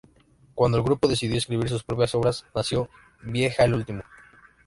Cuando el Grupo decidió escribir sus propias obras nació "¡Vieja el último!